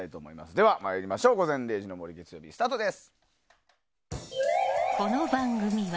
では参りましょう「午前０時の森」スタートです。